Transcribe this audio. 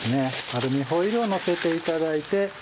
アルミホイルを乗せていただいて。